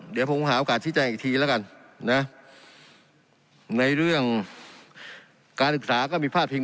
เดี๋ยวผมหาโอกาสชี้แจงอีกทีแล้วกันนะในเรื่องการศึกษาก็มีพาดพิง